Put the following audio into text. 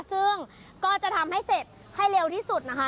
ซึ่งก็จะทำให้เสร็จให้เร็วที่สุดนะคะ